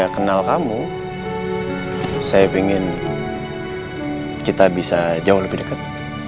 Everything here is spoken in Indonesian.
karena kenal kamu saya pingin kita bisa jauh lebih dekat